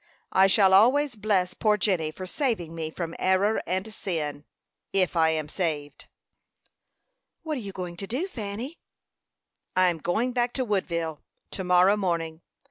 I shall always bless poor Jenny for saving me from error and sin if I am saved." "What are you going to do, Fanny?" "I am going back to Woodville to morrow morning.